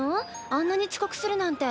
あんなに遅刻するなんて。